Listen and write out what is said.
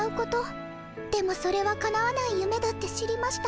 でもそれはかなわないゆめだって知りました。